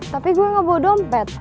tapi gue gak bawa dompet